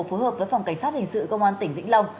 phối hợp với phòng cảnh sát hình sự công an tỉnh vĩnh long